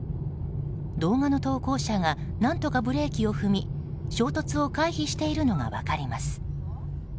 動画の投稿者が何とかブレーキを踏み衝突を回避しているのが分かります。